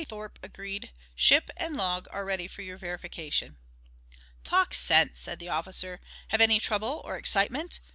Thorpe agreed. "Ship and log are ready for your verification." "Talk sense," said the officer. "Have any trouble or excitement?